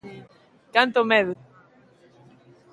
¡Canto medo!